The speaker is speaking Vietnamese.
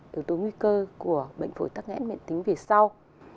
yếu tố nguy cơ của bệnh phổi tắc nghẽn mạng tính về sau